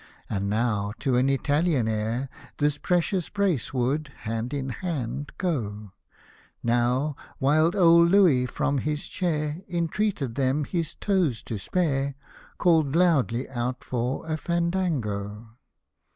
— And now, to an Italian air, This precious brace would, hand in hand, go ; Now — while old Louis, from his chair, Intreated them his toes to spare — Called loudly out for a Fandango.